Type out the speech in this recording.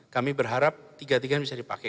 kami berharap tiga tiganya bisa dipakai